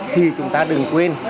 thì chúng ta đừng quên